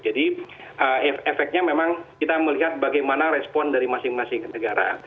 jadi efeknya memang kita melihat bagaimana respon dari masing masing negara